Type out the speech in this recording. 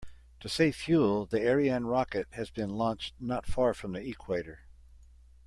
To save fuel, the Ariane rocket has been launched not far from the equator.